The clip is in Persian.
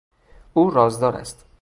او رازدار است.